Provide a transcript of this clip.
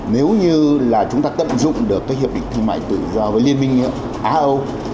nếu như chúng ta tận dụng được hiệp định thương mại tự do với liên minh á âu